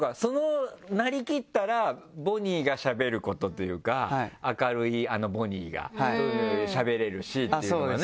なりきったらボニーがしゃべることというか明るいあのボニーがしゃべれるしっていうのがね